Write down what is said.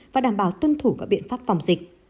và đảm bảo tuân thủ các biện pháp phòng dịch